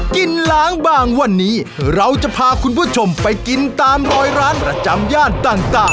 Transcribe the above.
กินล้างบางวันนี้เราจะพาคุณผู้ชมไปกินตามรอยร้านประจำย่านต่าง